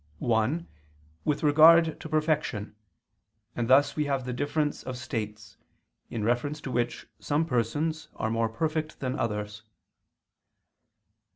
One, with regard to perfection, and thus we have the difference of states, in reference to which some persons are more perfect than others.